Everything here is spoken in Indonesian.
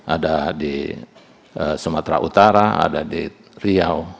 ada di sumatera utara ada di riau